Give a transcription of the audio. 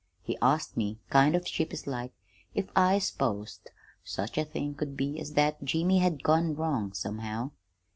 He asked me, kind of sheepish like, if I s'posed such a thing could be as that Jimmy had gone wrong, somehow.